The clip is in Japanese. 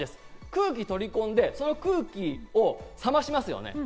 空気を取り込んで、その空気を冷ましますね。